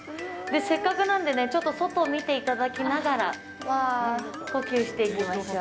せっかくなんでね、ちょっと外見ていただきながら、呼吸していきましょう。